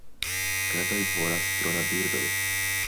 Katoj voras tro da birdoj.